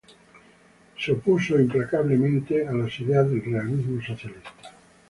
Él se opuso implacablemente a las ideas del Realismo Socialista.